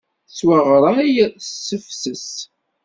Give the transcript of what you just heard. Yettwaɣray s tefses.